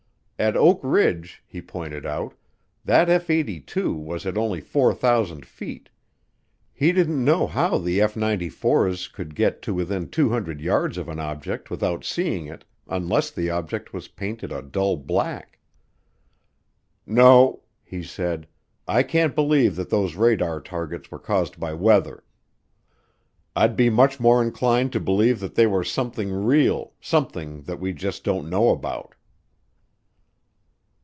At Oak Ridge, he pointed out, that F 82 was at only 4,000 feet. He didn't know how the F 94's could get to within 200 yards of an object without seeing it, unless the object was painted a dull black. "No," he said, "I can't believe that those radar targets were caused by weather. I'd be much more inclined to believe that they were something real, something that we just don't know about."